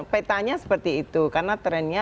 petanya seperti itu karena trennya